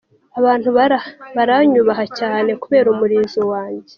Abantu baranyubaha cyane kubera umurizo wanjye.